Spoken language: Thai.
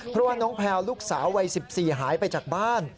เพราะว่าน้องแพลวลูกสาววัย๑๔หายไปจากบ้าน